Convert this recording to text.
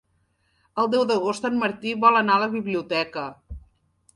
El deu d'agost en Martí vol anar a la biblioteca.